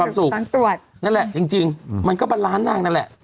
นั่นตรวจนั่นแหละจริงมันก็เปอลานเรากันแหละ